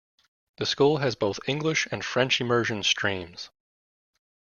The school has both English and French Immersion streams.